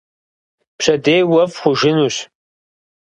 Пщэдей уэфӀ хъужынущ.